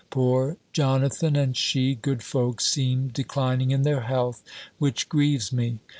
Poor Jonathan, and she, good folks! seem declining in their health, which grieves me.